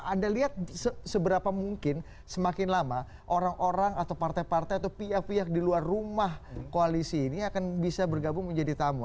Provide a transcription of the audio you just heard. anda lihat seberapa mungkin semakin lama orang orang atau partai partai atau pihak pihak di luar rumah koalisi ini akan bisa bergabung menjadi tamu